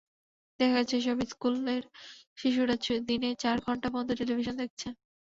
দেখা গেছে, এসব স্কুলের শিশুরা দিনে চার ঘণ্টা পর্যন্ত টেলিভিশন দেখছে।